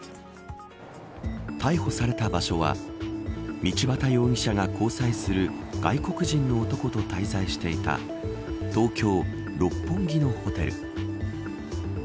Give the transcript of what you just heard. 逮捕された場所は道端容疑者が交際する外国人の男と滞在していた東京、六本木のホテル。